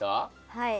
はい。